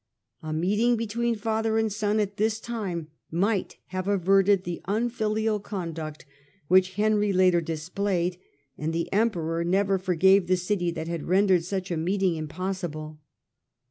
A meeting between father and son at this time might have averted the unfilial conduct which Henry later displayed, and the Emperor never forgave the city that had rendered such a meeting impossible.